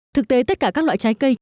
thực tế tất cả các loại trái cây